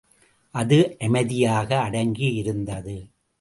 அது அமைதியாக அடங்கியிருந்தது.